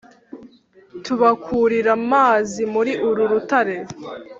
Tubakurira amazi muri uru rutare